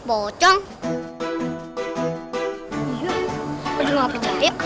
iya aku juga nggak percaya